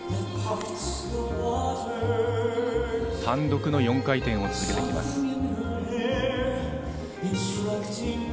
単独の４回転を続けてきます。